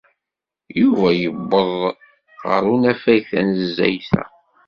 Yuba yewweḍ ɣer unafag tanezzayt-a.